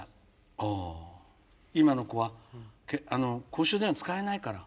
あ今の子は公衆電話使えないから。